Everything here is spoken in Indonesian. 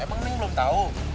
emang nek belum tahu